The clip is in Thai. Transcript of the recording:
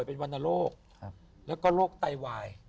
แล้วก็โรคไตวาย